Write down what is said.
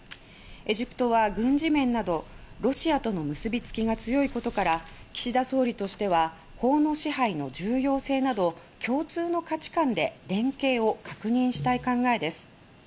エジプトは軍事面などロシアとの結びつきが強いことから岸田総理としては法の支配の重要性など共通の価値観で連携を確認したい考えです。